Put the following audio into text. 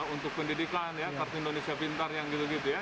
untuk pendidikan ya kartu indonesia pintar yang gitu gitu ya